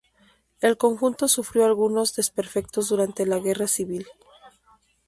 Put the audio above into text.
El conjunto sufrió algunos desperfectos durante la Guerra Civil.